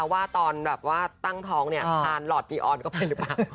ว่าตอนตั้งท้องเนี่ยพันลอรตน์ดิออนกลับไปหรือเปล่า